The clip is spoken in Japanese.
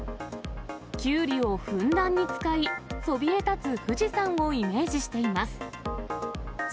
キュウリをふんだんに使い、そびえ立つ富士山をイメージしています。